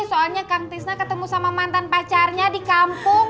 soalnya kang tisna ketemu sama mantan pacarnya di kampung